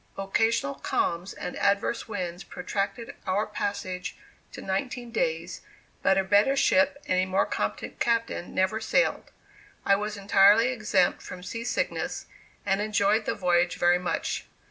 Occasional calms and adverse winds protracted our passage to nineteen days, but a better ship and a more competent captain never sailed. I was entirely exempt from sea sickness, and enjoyed the voyage very much.